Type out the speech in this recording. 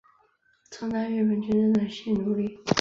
充当日本军队的性奴隶